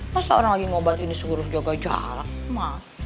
masa orang lagi ngobatin disuruh jaga jarak emas